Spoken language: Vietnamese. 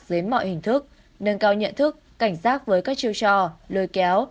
dưới mọi hình thức nâng cao nhận thức cảnh giác với các chiêu trò lôi kéo